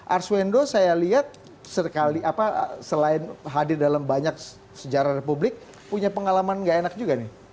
arswendo saya lihat selain hadir dalam banyak sejarah republik punya pengalaman gak enak juga nih